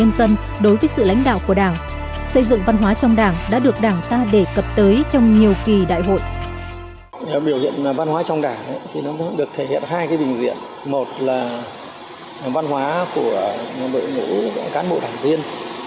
một là văn hóa của đội ngũ cán bộ đảng viên